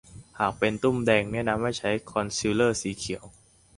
หากเป็นตุ้มแดงแนะนำให้ใช้คอนซีลเลอร์สีเขียว